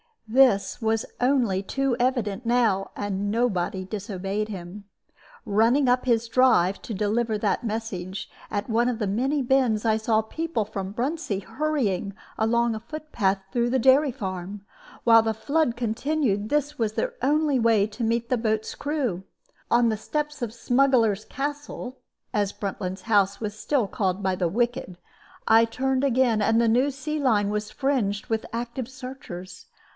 This was only too evident now, and nobody disobeyed him. Running up his "drive" to deliver that message, at one of the many bends I saw people from Bruntsea hurrying along a footpath through the dairy farm. While the flood continued this was their only way to meet the boat's crew. On the steps of "Smuggler's Castle" (as Bruntlands House was still called by the wicked) I turned again, and the new sea line was fringed with active searchers.